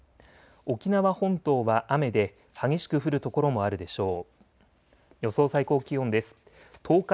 沖縄本島は雨で激しく降るところもあるでしょう。